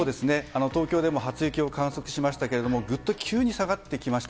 東京でも初雪を観測しましたけれどもぐっと急に下がってきました。